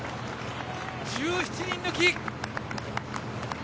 １７人抜き！